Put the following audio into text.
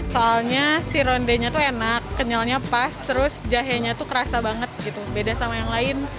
soalnya si rondenya tuh enak kenyalnya pas terus jahenya tuh kerasa banget gitu beda sama yang lain